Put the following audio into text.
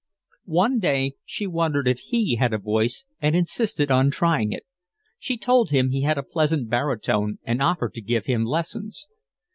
One day she wondered if he had a voice and insisted on trying it. She told him he had a pleasant baritone and offered to give him lessons.